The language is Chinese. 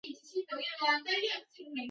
普拉迪耶尔。